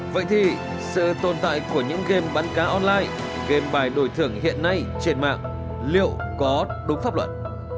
vậy thì sự tồn tại của những game bắn cá online game bài đổi thưởng hiện nay trên mạng liệu có đúng pháp luật